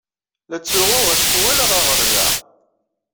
La ttsuɣuɣ acku walaɣ aɣerday!